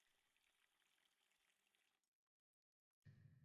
Na unisiga ko'nadi, na bunisiga.